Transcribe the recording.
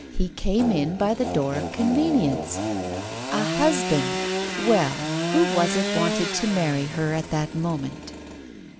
He came in by the door of convenience. A husband ! Well, who was it wanted to marry her at that moment